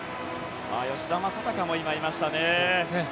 吉田正尚も今、いましたね。